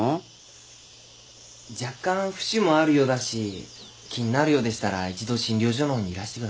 若干浮腫もあるようだし気になるようでしたら一度診療所のほうにいらしてください。